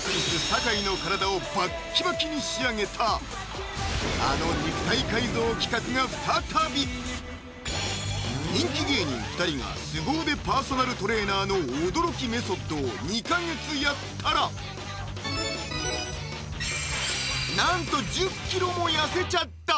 酒井の体をバッキバキに仕上げたあの肉体改造企画が再び人気芸人２人がスゴ腕パーソナルトレーナーの驚きメソッドを２か月やったらなんと１０ｋｇも痩せちゃった！